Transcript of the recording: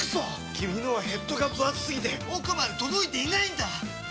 君のはヘッドがぶ厚すぎて奥まで届いていないんだっ！